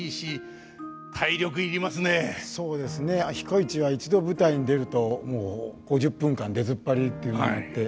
彦市は一度舞台に出るともう５０分間出ずっぱりというのがあって。